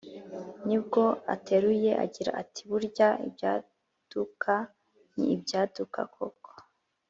ni bwo ateruye agira ati "burya ibyaduka ni ibyaduka koko